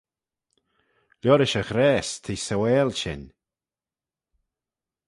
Liorish e ghrayse t'eh sauail shin.